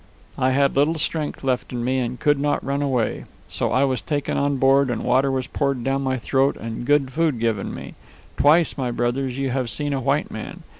"I had little strength left in me and could not run away. So I was taken on board and water was poured down my throat and good food given me. Twice, my brothers, you have seen a white man.